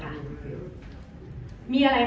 แทบจะไม่มีอะไรเปลี่ยนแปลงเลยค่ะ